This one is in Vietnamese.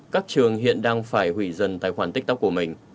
các trường hiện đang phải hủy dần tài khoản tiktok của mình